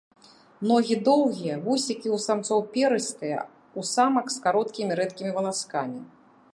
Ногі доўгія, вусікі ў самцоў перыстыя, у самак э кароткімі рэдкімі валаскамі.